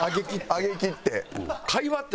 上げきって。